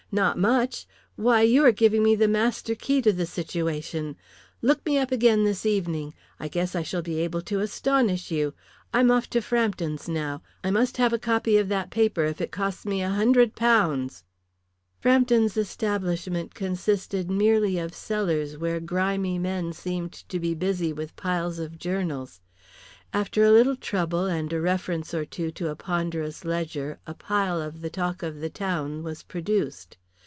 "Not much. Why, you are giving me the master key to the situation. Look me up again this evening. I guess I shall be able to astonish you. I'm off to Frampton's now. I must have a copy of that paper if it costs me a hundred pounds." Frampton's establishment consisted merely of cellars where grimy men seemed to be busy with piles of journals. After a little trouble and a reference or two to a ponderous ledger a pile of the Talk of the Town was produced.